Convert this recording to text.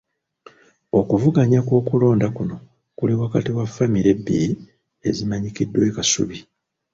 Okuvuganya kw'okulonda kuno kuli wakati wa famire ebbiri ezimanyikiddwa e Kasubi.